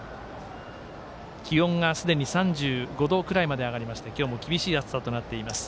気温がすでに３５度くらいまで上がりまして今日も厳しい暑さとなっています。